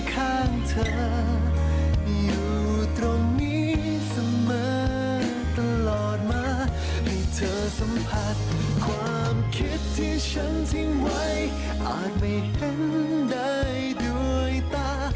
ความคิดที่ฉันทิ้งไว้อาจไม่เห็นได้ด้วยตา